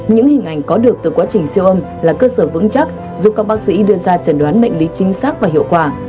những hình ảnh có được từ quá trình siêu âm là cơ sở vững chắc giúp các bác sĩ đưa ra chẩn đoán bệnh lý chính xác và hiệu quả